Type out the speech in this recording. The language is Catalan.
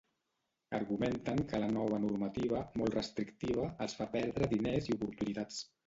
Argumenten que la nova normativa, molt restrictiva, els fa perdre diners i oportunitats.